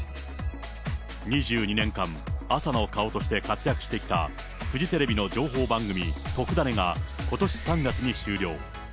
２２年間、朝の顔として活躍してきた、フジテレビの情報番組、とくダネ！がことし３月に終了。